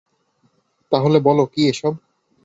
তাহলে বলো কী এসব?